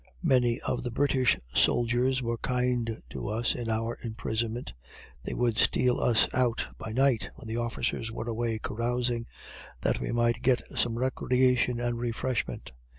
Many of the British soldiers were kind to us in our imprisonment; they would steal us out by night, when the officers were away carousing, that we might get some recreation and refreshment.